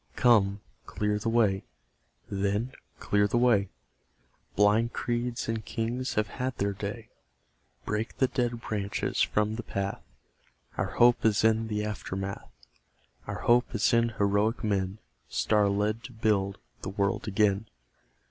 Come, clear the way, then, clear the way; Blind creeds and kings have had their day; Break the dead branches from the path; Out Hope is in the aftermath Our hope is in heroic men Star led to build the world again.